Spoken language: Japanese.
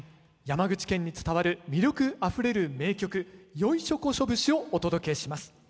山口県に伝わる魅力あふれる名曲「ヨイショコショ節」をお届けします。